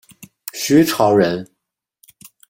徐潮人。